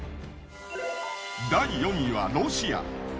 第４位はロシア。